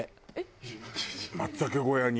松茸小屋に？